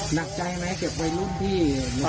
หนักใจไหมกับวัยรุ่นพี่